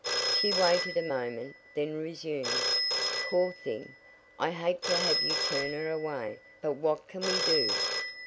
She waited a moment, then resumed: "Poor thing. I hate to have you turn her away, but what can we do?"